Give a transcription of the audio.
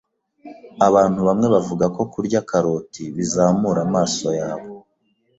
Abantu bamwe bavuga ko kurya karoti bizamura amaso yawe